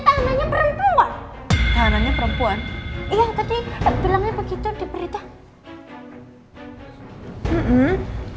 tahanannya perempuan tahanannya perempuan iya tadi bilangnya begitu diberitanya